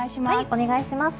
お願いします。